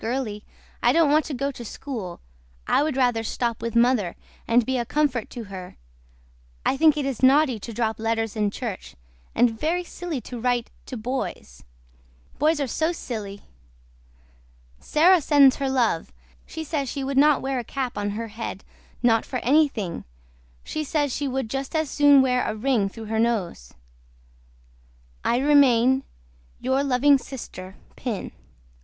GIRLY I DON'T WANT TO GO TO SKOOL I WOOD RATHER STOP WITH MOTHER AND BE A CUMFERT TO HER I THINK IT IS NAUTY TO DROP LETTERS IN CHERCH AND VERRY SILY TO RITE TO BOYS BOYS ARE SO SILY SARAH SENDS HER LUV SHE SAYS SHE WOOD NOT WARE A CAP ON HER HED NOT FOR ANNYTHING SHE SAYS SHE WOOD JUST AS SOON WARE A RING THRUGH HER NOSE. I REMAIN YOUR LUVING SISTER PIN.